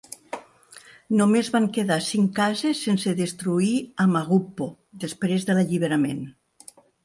Només van quedar cinc cases sense destruir a Magugpo després de l'alliberament.